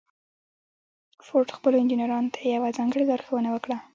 فورډ خپلو انجنيرانو ته يوه ځانګړې لارښوونه وکړه.